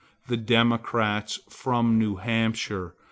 The Democrats from New Hampshire!